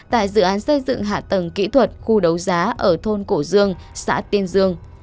tại dự án xây dựng hạ tầng kỹ thuật khu đấu giá ở thôn cổ dương xã tiên dương